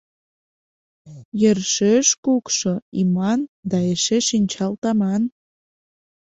— Йӧршеш кукшо, иман да эше шинчал таман.